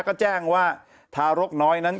ก็แจ้งว่าทารกน้อยนั้น